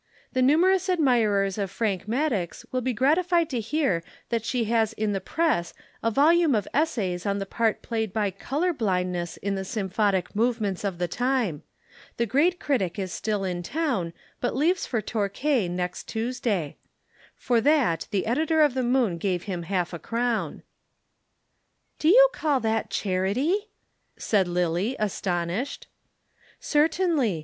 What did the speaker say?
'The numerous admirers of Frank Maddox will be gratified to hear that she has in the press a volume of essays on the part played by color blindness in the symphonic movements of the time. The great critic is still in town but leaves for Torquay next Tuesday.' For that the editor of the Moon gave him half a crown." "Do you call that charity?" said Lillie, astonished. "Certainly.